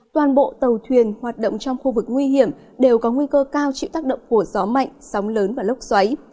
toàn bộ tàu thuyền hoạt động trong khu vực nguy hiểm đều có nguy cơ cao chịu tác động của gió mạnh sóng lớn và lốc xoáy